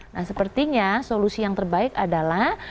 nah sepertinya solusi yang terbaik adalah